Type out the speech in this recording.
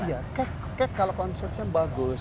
iya kek kek kalau konsepnya bagus